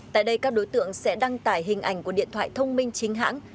tại đây các đối tượng sẽ đăng tải hình ảnh của điện thoại thông minh chính hãng